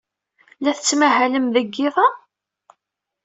La tettmahalem deg yiḍ-a?